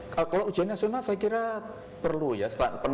kalau ujian nasional saya kira perlu ya